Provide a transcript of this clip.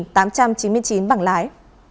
tức một mươi tám tám trăm chín mươi chín bằng lái